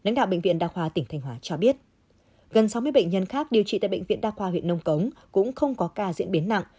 gần sáu mươi bệnh nhân khác điều trị tại bệnh viện đa khoa huyện nông cống cũng không có ca diễn biến nặng